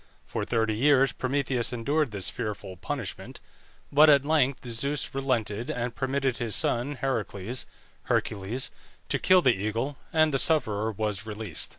For thirty years Prometheus endured this fearful punishment; but at length Zeus relented, and permitted his son Heracles (Hercules) to kill the eagle, and the sufferer was released.